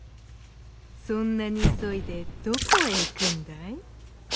そんなにいそいでどこへいくんだい？」。